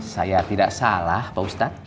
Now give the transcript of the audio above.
saya tidak salah pak ustadz